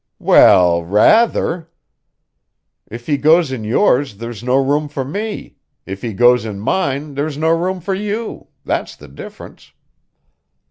"Well, ra ther! If he goes in yours there's no room for me; if he goes in mine there is no room for you. That's the difference."